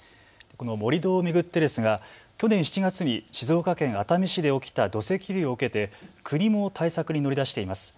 この盛り土を巡って去年７月に静岡県熱海市で起きた土石流を受けて国も対策に乗り出しています。